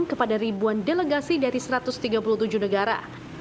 kepada ribuan delegasi dari satu ratus tiga puluh tujuh negara